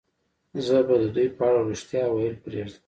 زه به د دوی په اړه رښتیا ویل پرېږدم